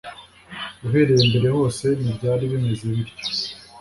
uhereye mbere hose ntibyari bimeze bityo